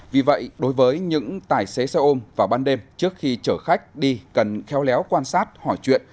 vì vậy đối với những tài xế xe ôm vào ban đêm trước khi chở khách đi cần khéo léo quan sát hỏi chuyện